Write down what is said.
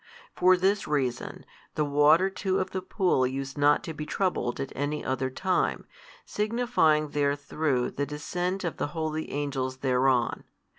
For this reason, the water too of the pool used not to be troubled at any other time, signifying therethrough the descent of the holy Angels thereon.